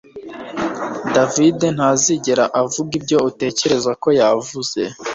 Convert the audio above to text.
David ntazigera avuga ibyo utekereza ko yavuze